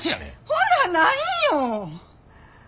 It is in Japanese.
ほな何よ。